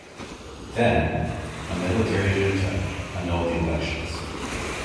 Then, a military junta annulled the elections.